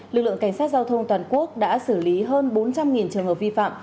lực lượng cảnh sát giao thông toàn quốc đã xử lý hơn bốn trăm linh trường hợp vi phạm